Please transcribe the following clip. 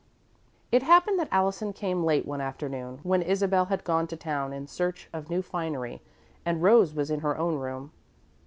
It happened that Allison came late one afternoon, when Isabel had gone to town in search of new finery and Rose was in her own room.